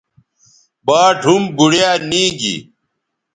باٹ ھُم بوڑیا نی گی